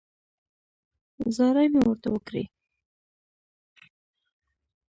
زارۍ مې ورته وکړې.